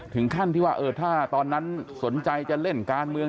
ถึงขั้นที่ว่าถ้าตอนนั้นสนใจจะเล่นการเมือง